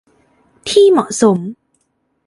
ที่เหมาะสม